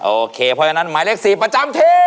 โอเคเพราะฉะนั้นหมายเลข๔ประจำที่